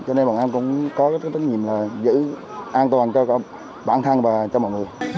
cho nên bọn em cũng có cái trách nhiệm là giữ an toàn cho bản thân và cho mọi người